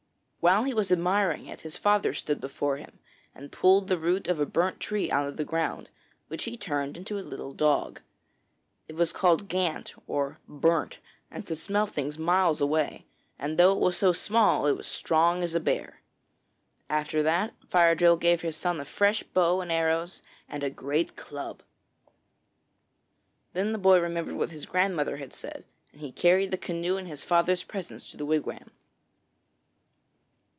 While he was admiring it, his father stood before him, and pulled the root of a burnt tree out of the ground, which he turned into a little dog. It was called Gant or 'Burnt,' and could smell things miles away, and, though it was so small, it was as strong as a bear. After that, Fire drill gave his son a fresh bow and arrows and a great club. Then the boy remembered what his grandmother had said, and he carried the canoe and his father's presents to the wigwam.